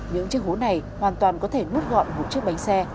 những chiếc hố này hoàn toàn có thể hút gọn một chiếc bánh xe